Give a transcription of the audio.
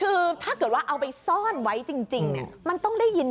คือถ้าเกิดว่าเอาไปซ่อนไว้จริงเนี่ยมันต้องได้ยิน